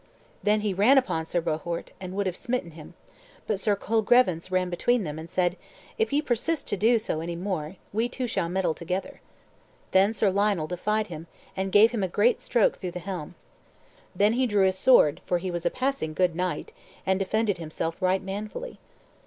Then he ran upon Sir Bohort, and would have smitten him; but Sir Colgrevance ran between them, and said, "If ye persist to do so any more, we two shall meddle together." Then Sir Lionel defied him, and gave him a great stroke through the helm. Then he drew his sword, for he was a passing good knight, and defended himself right manfully.